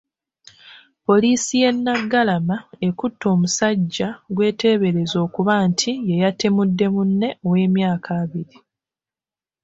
Poliisi y'e Naggalama ekutte omusajja gw'eteebereza okuba nti ye yatemudde munne ow'emyaka abiri.